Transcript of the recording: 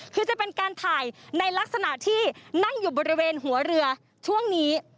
คือจะเป็นการถ่ายในลักษณะที่นั่งอยู่บริเวณหัวเรือช่วงนี้